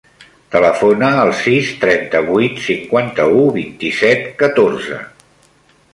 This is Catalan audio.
Telefona al sis, trenta-vuit, cinquanta-u, vint-i-set, catorze.